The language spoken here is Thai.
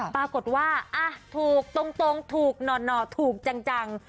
ปรากฏว่าถูกตรงถูกหน่อถูกจัง